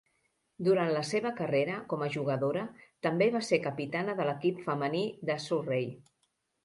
Durant la seva carrera com a jugadora, també va ser capitana de l'equip femení de Surrey.